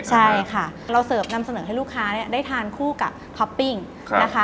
ใช่ค่ะเราเสิร์ฟนำเสนอให้ลูกค้าได้ทานคู่กับท็อปปิ้งนะคะ